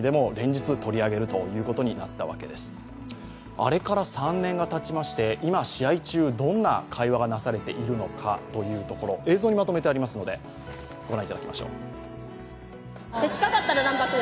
あれから３年がたちまして、今、試合中、どんな会話がなされているのかというところ映像にまとめてありますので御覧いただきましょう。